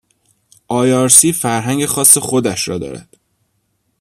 آیآرسی فرهنگ خاص خودش را دارد.